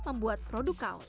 mereka membuat produk kaos